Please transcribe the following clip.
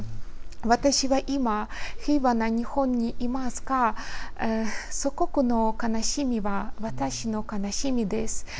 私は今、平和な日本にいますが、祖国の悲しみは、私の悲しみです。